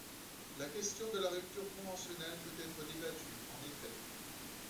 La question de la rupture conventionnelle peut être débattue, En effet